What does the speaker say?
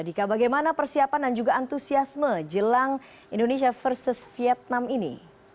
dika bagaimana persiapan dan juga antusiasme jelang indonesia versus vietnam ini